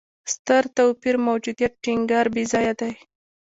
ستر توپیر موجودیت ټینګار بېځایه دی.